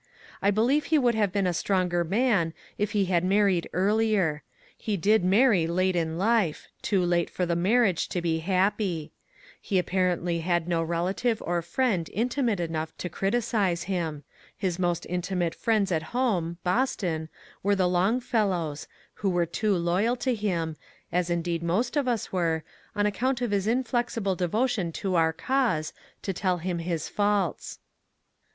I believe he would have been a stronger man if he had married earlier ; he did marry late in life, too late for the marriage to be happy. He apparently had no relative or friend intimate enough to criticise him. His most intimate friends at home (Boston) were the Longfellows, who were too loyal to him, as indeed most of us were, on account of his inflexible devotion to our cause, to tell him his faults.